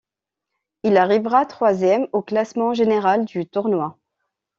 Il arrivera troisième au classement général du tournoi.